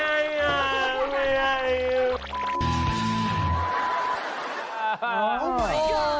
ไม่ไงไม่ไง